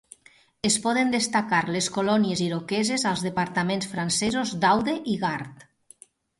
Es poden destacar les colònies iroqueses als departaments francesos d'Aude i Gard.